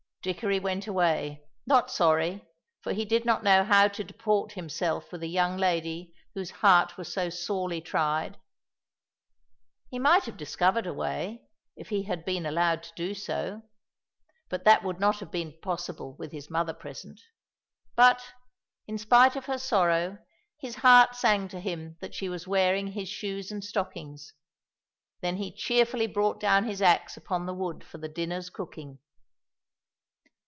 Dickory went away, not sorry, for he did not know how to deport himself with a young lady whose heart was so sorely tried. He might have discovered a way, if he had been allowed to do so; but that would not have been possible with his mother present. But, in spite of her sorrow, his heart sang to him that she was wearing his shoes and stockings! Then he cheerfully brought down his axe upon the wood for the dinner's cooking.